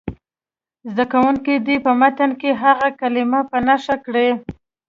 زده کوونکي دې په متن کې هغه کلمې په نښه کړي.